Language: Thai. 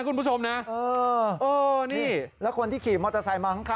คุณผู้ชมนะเออเออนี่แล้วคนที่ขี่มอเตอร์ไซค์มาข้าง